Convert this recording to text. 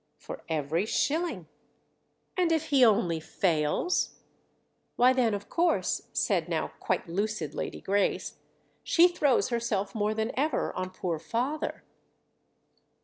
"For every shilling." "And if he only fails?" "Why then of course," said now quite lucid Lady Grace, "she throws herself more than ever on poor father."